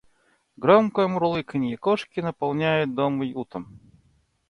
Громкое мурлыканье кошки наполняет дом уютом.